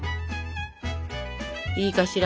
いいかしら？